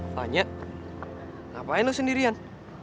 fanya ngapain lo sendirian